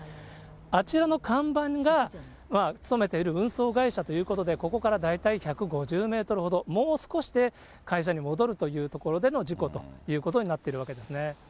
あちらの看板が勤めている運送会社ということで、ここから大体１５０メートルほど、もう少しで会社に戻るという所での事故ということになっているわけですね。